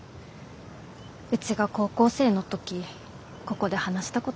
うちが高校生の時ここで話したこと。